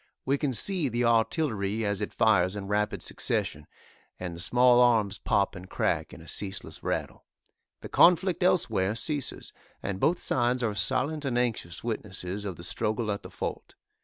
We can see the artillery as it fires in rapid succession, and the small arms pop and crack in a ceaseless rattle. The conflict elsewhere ceases, and both sides are silent and anxious witnesses of the struggle at the fort.